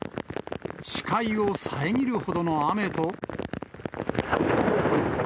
視界を遮るほどの雨と。